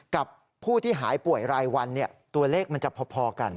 กับผู้ที่หายป่วยรายวันตัวเลขมันจะพอกัน